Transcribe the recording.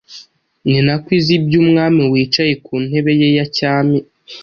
ni nako izi iby’Umwami wicaye ku ntebe ye ya cyami.